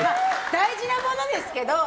大事なものですけど。